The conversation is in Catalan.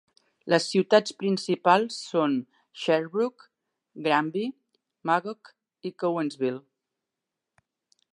Les ciutats principals són Sherbrooke, Granby, Magog i Cowansville.